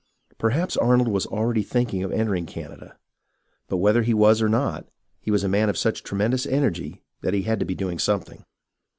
Per haps Arnold was already thinking of entering Canada ; but whether he was or not, he was a man of such tremendous energy that he had to be doing something.